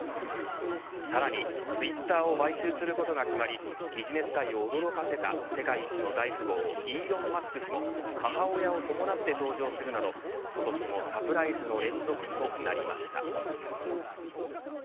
さらにツイッターを買収することが決まりビジネス界を驚かせた世界一の大富豪イーロン・マスク氏も母親を伴って登場するなど今年もサプライズの連続となりました。